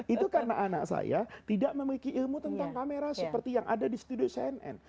itu karena anak saya tidak memiliki ilmu tentang kamera seperti yang ada di studio cnn